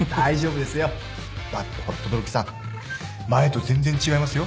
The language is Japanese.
だってほら轟さん前と全然違いますよ